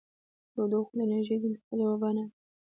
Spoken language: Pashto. تودوخه د انرژۍ د انتقال یوه بڼه ده.